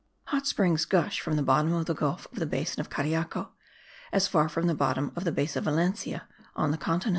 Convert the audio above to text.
Hot springs gush from the bottom of the gulf of the basin of Cariaco, as from the bottom of the basin of Valencia on the continent.)